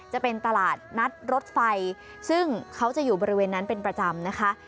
จะเป็นตลาดนัดรถไฟซึ่งเขาจะอยู่บริเวณนั้นเป็นประจำนะคะ